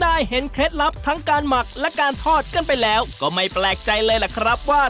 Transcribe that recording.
ได้เห็นเคล็ดลับทั้งการหมักและการทอดกันไปแล้วก็ไม่แปลกใจเลยล่ะครับว่า